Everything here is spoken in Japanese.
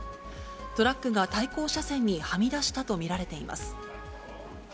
トラックが対向車線にはみ出したと見られています。